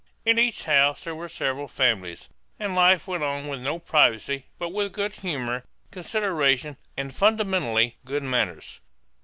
In each house there were several families, and life went on with no privacy but with good humor, consideration, and fundamentally good manners.